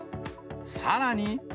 さらに。